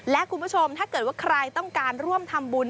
และคุณผู้ชมถ้าเกิดว่าใครต้องการร่วมทำบุญ